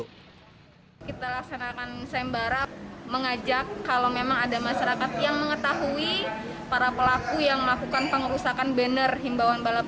kita laksanakan sembara mengajak kalau memang ada masyarakat yang mengetahui para pelaku yang melakukan pengerusakan banner himbawan balap